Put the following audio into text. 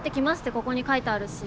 ここに書いてあるし。